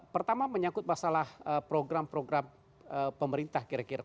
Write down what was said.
pertama menyangkut masalah program program pemerintah kira kira